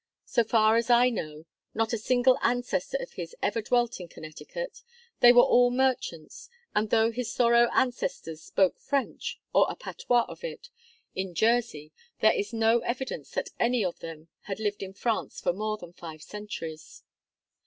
So far as I know, not a single ancestor of his ever dwelt in Connecticut; they were all merchants; and though his Thoreau ancestors spoke French, or a patois of it, in Jersey, there is no evidence that any of them had lived in France for more than five centuries.